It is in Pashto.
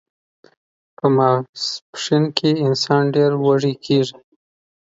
په ماسپښین کې انسان ډیر وږی کیږي